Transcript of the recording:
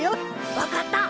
わかった！